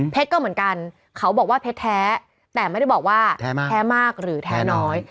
ก็เหมือนกันเขาบอกว่าเพชรแท้แต่ไม่ได้บอกว่าแท้มากหรือแท้น้อย